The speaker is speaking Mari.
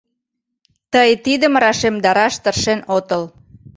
Тый тидым рашемдараш тыршен отыл.